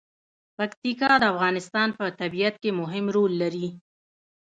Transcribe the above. پکتیکا د افغانستان په طبیعت کې مهم رول لري.